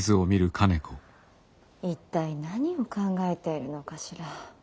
一体何を考えているのかしら。